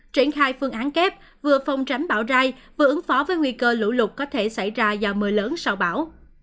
triển khai phương án kép vừa phòng tránh bão rai vừa ứng phó với nguy cơ lụ lục có thể xảy ra do mưa lớn sau bão